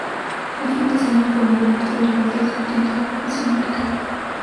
A fin de ese año formaría parte del plantel que obtiene la Copa Sudamericana.